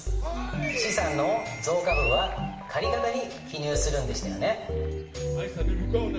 資産の増加分は借方に記入するんでしたよね。